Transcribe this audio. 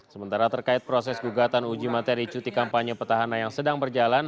sementara terkait proses gugatan uji materi cuti kampanye petahana yang sedang berjalan